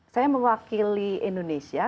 saya mewakili indonesia